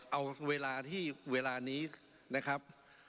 เอาเวลาที่เวลานี้นะครับ